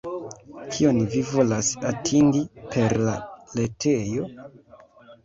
Kion vi volas atingi per la retejo?